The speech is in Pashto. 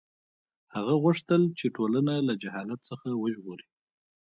هغه غوښتل چې ټولنه له جهالت څخه وژغوري.